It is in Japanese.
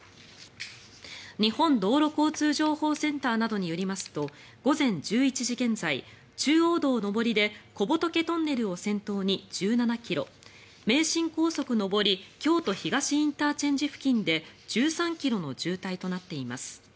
日本道路交通情報センターなどによりますと午前１１時現在、中央道上りで小仏トンネルを先頭に１７ｋｍ名神高速上り京都東ＩＣ付近で１３ｋｍの渋滞となっています。